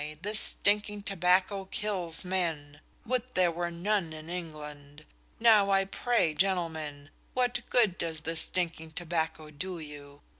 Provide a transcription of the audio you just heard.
This stinking tobacco kills men! Would there were none in England! Now I pray, gentlemen, what good does this stinking tobacco do you?